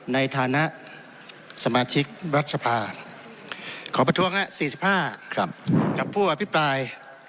ในฐานะสมาชิกรัฐสภาขอประท้วง๔๕กับผู้อภิปราย